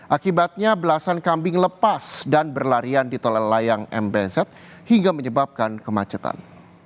akibatnya belasan kambing lepas dan berlarian di tol layang mbz hingga menyebabkan kemacetan